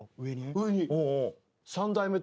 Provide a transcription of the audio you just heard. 上に。